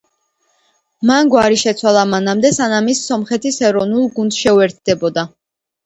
მან გვარი შეცვალა მანამდე, სანამ ის სომხეთის ეროვნულ გუნდს შეუერთდებოდა.